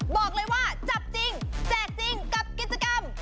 บอกเลยว่าจับจริงแจกจริงกับกิจกรรม